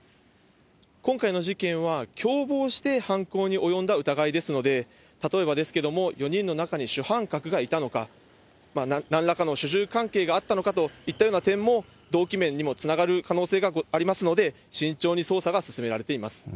今回の事件は共謀して犯行に及んだ疑いですので、例えばですけれども、４人の中に主犯格がいたのか、なんらかの主従関係があったのかといった点も、動機面にもつながる可能性がありますので、慎重に捜査が進められています。